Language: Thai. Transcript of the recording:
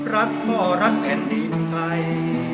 รักพ่อรักแผ่นดินไทย